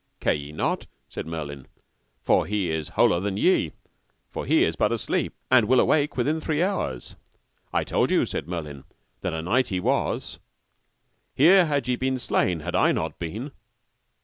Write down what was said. Care ye not, said Merlin, for he is wholer than ye; for he is but asleep, and will awake within three hours. I told you, said Merlin, what a knight he was; here had ye been slain had I not been.